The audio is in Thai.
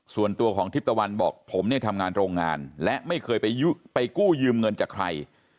ส่วนตัวของทิพย์ตะวันบอกผมเนี่ยทำงานโรงงานและไม่เคยไปกู้ยืมเงินจากใคร